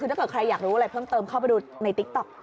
คือถ้าเกิดใครอยากรู้อะไรเพิ่มเติมเข้าไปดูในติ๊กต๊อก